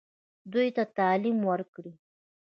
دوی ته تعلیم ورکړئ